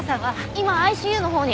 今ＩＣＵのほうに。